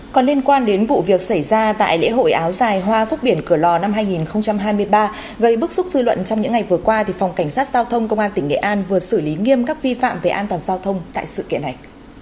còn liên quan đến vụ việc xảy ra tại lễ hội áo dài hoa phúc biển cửa lò năm hai nghìn hai mươi ba gây bức xúc dư luận trong những ngày vừa qua phòng cảnh sát giao thông công an tỉnh nghệ an vừa xử lý nghiêm các vi phạm về an toàn giao thông tại sự kiện này